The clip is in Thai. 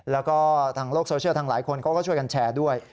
แล้วก็ทางโลกโซเชียลทางหลายคนเขาก็ช่วยกันแชร์ด้วย